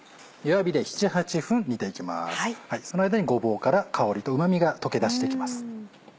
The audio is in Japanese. その間にごぼうから香りとうま味が溶け出してきます。